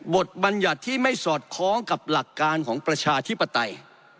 บัญญัติที่ไม่สอดคล้องกับหลักการของประชาธิปไตย